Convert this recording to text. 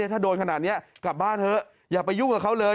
ถ้าโดนขนาดนี้กลับบ้านเถอะอย่าไปยุ่งกับเขาเลย